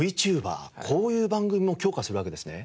こういう番組も強化するわけですね？